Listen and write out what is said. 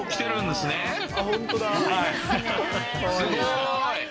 すごーい。